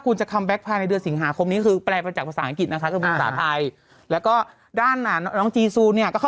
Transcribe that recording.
ก็เหมือนเป็นการส่งแซ็งเนียล